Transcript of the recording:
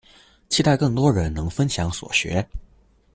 期待更多人能分享所學